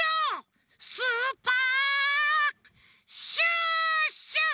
スーパーシュッシュ！